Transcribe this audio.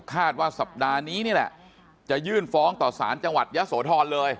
คาดว่าสัปดาห์นี้นี่แหละจะยื่นฟ้องต่อสารจังหวัดยะโสธรเลย